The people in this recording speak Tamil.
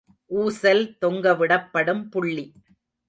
ஊசல் தொங்கவிடப்படும் புள்ளி.